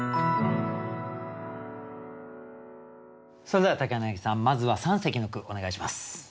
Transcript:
それでは柳さんまずは三席の句お願いします。